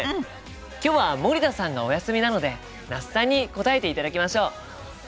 今日は森田さんがお休みなので那須さんに答えていただきましょう。